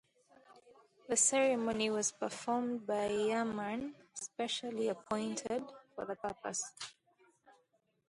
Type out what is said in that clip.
The ceremony was performed by a year-man specially appointed for the purpose.